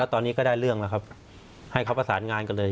ตอนนี้ก็ได้เรื่องแล้วครับให้เขาประสานงานกันเลย